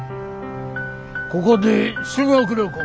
ここで修学旅行。